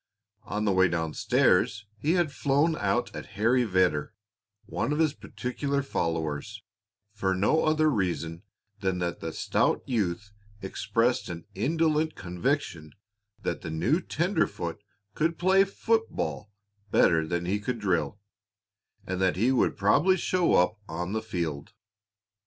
On the way down stairs he had flown out at Harry Vedder, one of his particular followers, for no other reason than that the stout youth expressed an indolent conviction that the new tenderfoot could play football better than he could drill, and that he would probably show up on the field.